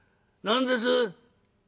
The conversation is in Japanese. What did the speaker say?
何です